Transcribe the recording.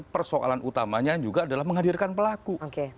persoalan utamanya juga adalah menghadirkan pelaku